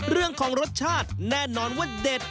เรื่องของรสชาติแน่นอนว่าเด็ด